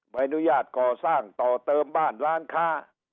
ใบอนุญาตก่อสร้างต่อเติมบ้านร้านค้า